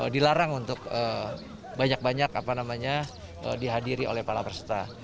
dilarang untuk banyak banyak dihadiri oleh para peserta